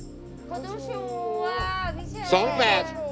เขาดูชัวร์พี่เชน